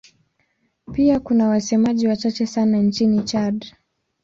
Pia kuna wasemaji wachache sana nchini Chad.